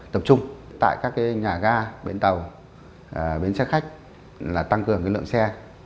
tập trung tại các cái nhà ga bến tàu bến xe khách là tăng cường cái lượng xe